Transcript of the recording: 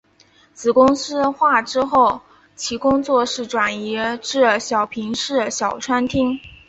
子公司化之后其工作室转移至小平市小川町。